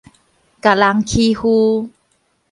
共人欺負